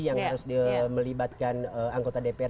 yang harus melibatkan anggota dpr